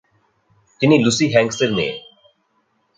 তিনি লুসি হ্যাঙ্কসের মেয়ে।